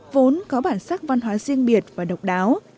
vốn có bản sắc văn hóa riêng biệt và độc đáo